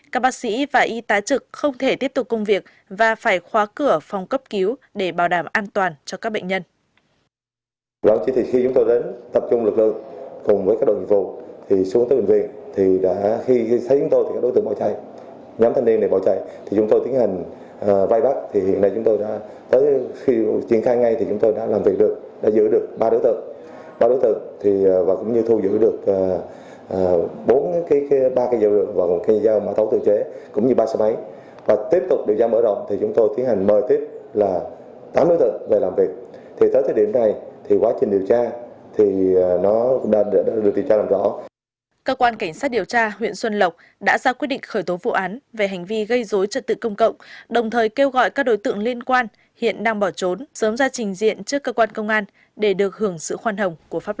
các bác sĩ và y tá trực không thể tiếp tục công việc và phải khóa cửa phòng cấp cứu để bảo đảm an toàn cho các bệnh nhân